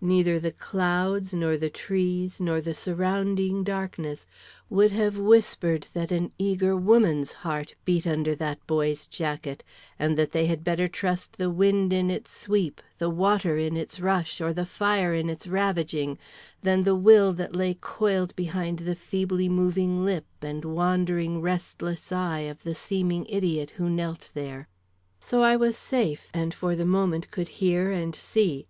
Neither the clouds, nor the trees, nor the surrounding darkness would have whispered that an eager woman's heart beat under that boy's jacket, and that they had better trust the wind in its sweep, the water in its rush, or the fire in its ravaging, than the will that lay coiled behind the feebly moving lip and wandering, restless eye of the seeming idiot who knelt there. "So I was safe and for the moment could hear and see.